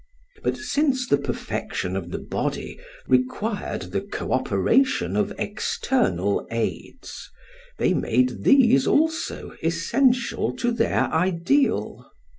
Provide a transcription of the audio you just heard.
But since the perfection of the body required the co operation of external aids, they made these also essential to their ideal.